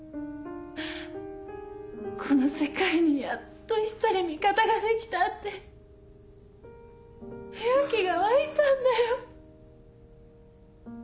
この世界にやっと１人味方ができたって勇気が湧いたんだよ。